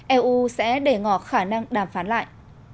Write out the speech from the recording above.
eu sẽ để ngọt khả năng đàm phán lại